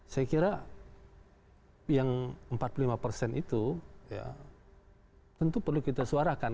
saya kira yang empat puluh lima persen itu tentu perlu kita suarakan